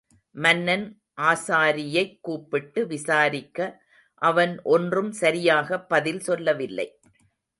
மன்னன் ஆசாரியைக் கூப்பிட்டு விசாரிக்க, அவன் ஒன்றும் சரியாக பதில் சொல்லவில்லை.